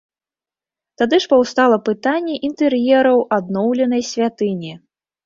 Тады ж паўстала пытанне інтэр'ераў адноўленай святыні.